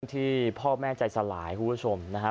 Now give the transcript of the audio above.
บางทีพ่อแม่ใจสลายคุณผู้ชมนะครับ